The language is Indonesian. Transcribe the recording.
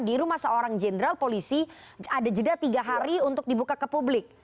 di rumah seorang jenderal polisi ada jeda tiga hari untuk dibuka ke publik